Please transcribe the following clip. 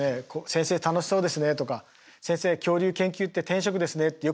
「先生楽しそうですね」とか「先生恐竜研究って天職ですね」ってよく言われます。